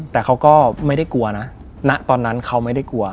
แต่เขาก็ไม่ได้กลัวนะณตอนนั้นเขาไม่ได้กลัว